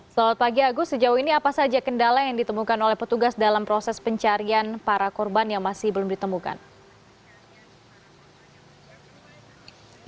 selamat pagi agus sejauh ini apa saja kendala yang ditemukan oleh petugas dalam proses pencarian para korban yang masih belum ditemukan